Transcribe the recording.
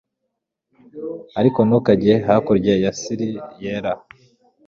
Ariko ntukajye hakurya ya sill yera